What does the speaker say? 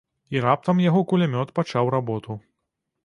І раптам яго кулямёт пачаў работу.